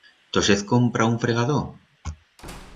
Tos hez comprau un fregador?